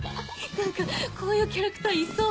何かこういうキャラクターいそう。